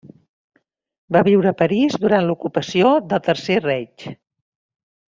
Va viure a París durant l'ocupació del Tercer Reich.